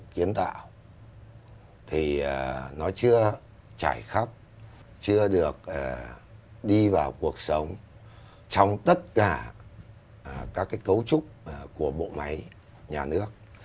kiến tạo thì nó chưa trải khắp chưa được đi vào cuộc sống trong tất cả các cấu trúc của bộ máy nhà nước